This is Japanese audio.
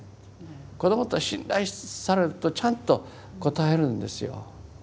子どもって信頼されるとちゃんと応えるんですよ。